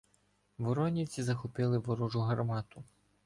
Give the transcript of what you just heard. Воронівці захопили ворожу гармату.